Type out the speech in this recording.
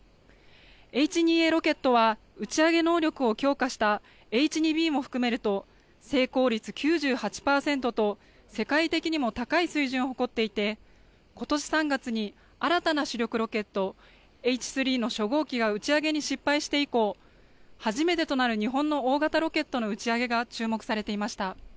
Ｈ２Ａロケットは打ち上げ能力を強化したＨ２Ｂも含めると成功率９８％と世界的にも高い水準を誇っていてことし３月に新たな主力ロケットＨ３の初号機が打ち上げに失敗して以降、初めてとなる日本の大型ロケットの打ち上げが注目されていました。